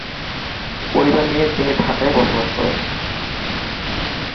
পরিবার নিয়ে তিনি ঢাকায় বসবাস করেন।